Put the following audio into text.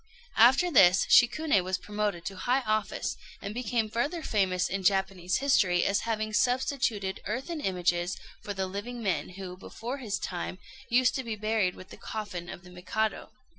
After this Shikuné was promoted to high office, and became further famous in Japanese history as having substituted earthen images for the living men who, before his time, used to be buried with the coffin of the Mikado.